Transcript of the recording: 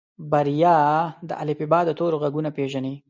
بريا د الفبا د تورو غږونه پېژني.